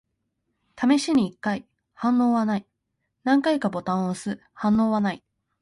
試しに一回。反応はない。何回かボタンを押す。反応はない。